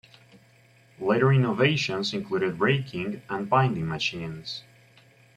Later innovations included raking and binding machines.